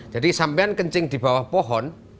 jadi sampai kencing di bawah pohon